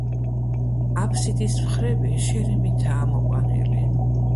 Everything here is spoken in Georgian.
აბსიდის მხრები შირიმითაა ამოყვანილი.